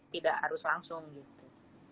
tidak harus langsung gitu